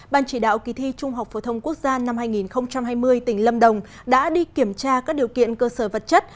ban chỉ đạo kỳ thi trung học phổ thông quốc gia năm hai nghìn hai mươi tỉnh lâm đồng đã đi kiểm tra các điều kiện cơ sở vật chất